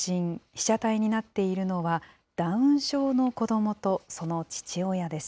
被写体になっているのは、ダウン症の子どもとその父親です。